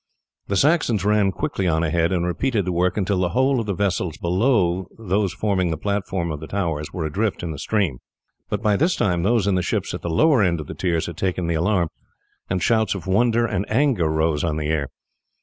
The Saxons ran quickly on ahead and repeated the work until the whole of the vessels below those forming the platform for the towers were adrift in the stream; but by this time those in the ships at the lower end of the tiers had taken the alarm, and shouts of wonder and anger rose on the air.